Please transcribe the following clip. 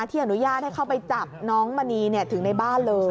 ที่อนุญาตให้เข้าไปจับน้องมณีถึงในบ้านเลย